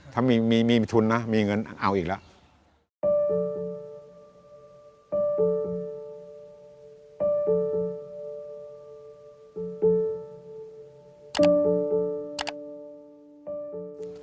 ถ้ามีทุนนะมีเงินเอาอีกแล้ว